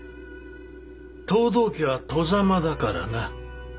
藤堂家は外様だからな。